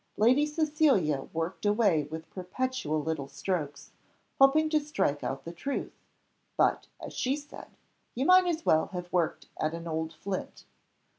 Lady Cecilia worked away with perpetual little strokes, hoping to strike out the truth, but, as she said, you might as well have worked at an old flint.